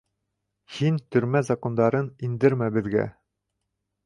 Һин төрмә закондарын индермә беҙгә!